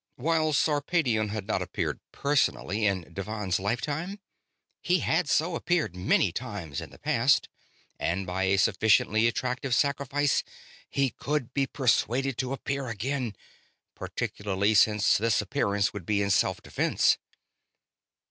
While Sarpedion had not appeared personally in Devann's lifetime, he had so appeared many times in the past; and by a sufficiently attractive sacrifice he could be persuaded to appear again, particularly since this appearance would be in self defense.